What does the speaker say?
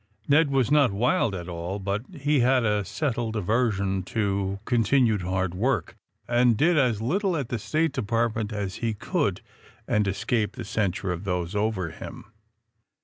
Ned was not wild at all, but he had a settled aversion to continued hard work, and did as little at the State Department as he could and escape the censure of those over him.